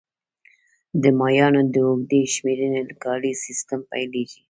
د مایانو د اوږدې شمېرنې کالیز سیستم پیلېږي